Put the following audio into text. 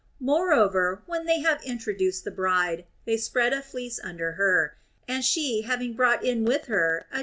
More over, when they have introduced the bride, they spread a fleece under her ; and she, having brought in with her a 222 THE ROMAN QUESTIONS.